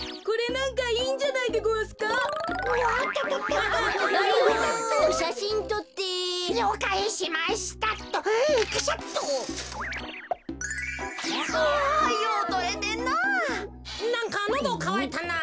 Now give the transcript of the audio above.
なんかのどかわいたな。